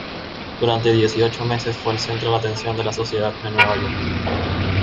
Durante dieciocho meses fue el centro de atención de la sociedad de Nueva York.